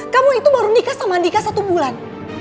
kamu itu baru nikah sama andika satu bulan